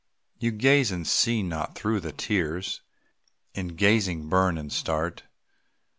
You gaze and see not, though the tears In gazing burn and start.